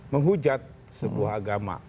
menghujat sebuah agama